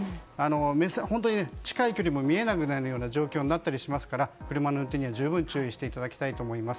本当に近い距離も見えなくなることもありますから車の運転には十分注意していただきたいです。